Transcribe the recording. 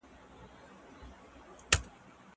زه به د تکړښت لپاره تللي وي!؟